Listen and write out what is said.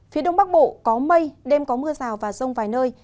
phía đông bắc bộ có mây đêm có mưa rào và rông vài nơi